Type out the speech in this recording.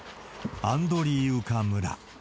アンドリーウカ村。